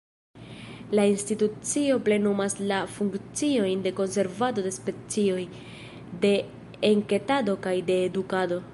La institucio plenumas la funkciojn de konservado de specioj, de enketado kaj de edukado.